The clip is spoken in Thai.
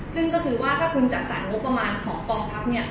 ซึ่งก็คือว่าถ้าคุณจัดสรรงบประมาณของกองทัพเนี่ย